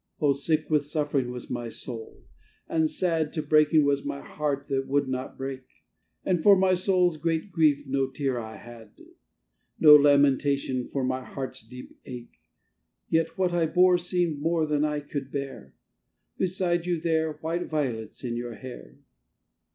Oh, sick with suffering was my soul; and sad To breaking was my heart that would not break; And for my soul's great grief no tear I had, No lamentation for my heart's deep ache; Yet what I bore seemed more than I could bear, Beside you there, white violets in your hair.